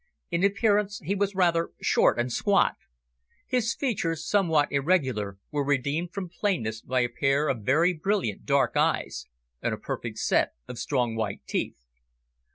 In appearance he was rather short and squat. His features, somewhat irregular, were redeemed from plainness by a pair of very brilliant dark eyes, and a perfect set of strong white teeth.